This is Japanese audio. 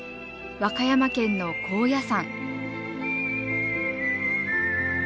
和歌山県の高野山。